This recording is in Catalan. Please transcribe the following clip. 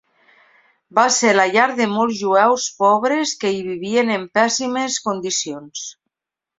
Va ser la llar de molts jueus pobres que hi vivien en pèssimes condicions.